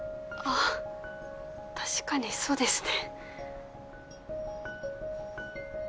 あ確かにそうですね。